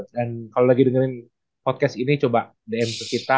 dan kalo lagi dengerin podcast ini coba dm ke kita